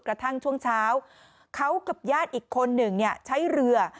กระทั่งช่วงเช้าเขากับญาติอีกคนหนึ่งใช้เรือ